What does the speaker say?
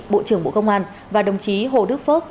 bộ trưởng bộ công an và đồng chí hồ đức phước